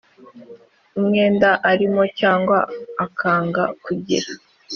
umwenda arimo cyangwa akanga kugira